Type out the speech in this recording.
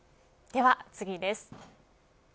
では次です。